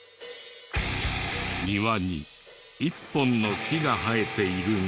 庭に１本の木が生えているが。